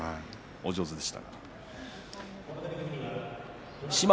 お上手でした。